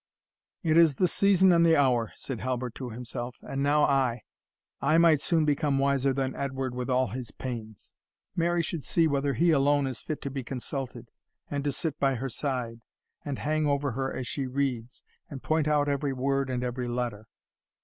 "It is the season and the hour," said Halbert to himself; "and now I I might soon become wiser than Edward with all his pains! Mary should see whether he alone is fit to be consulted, and to sit by her side, and hang over her as she reads, and point out every word and every letter.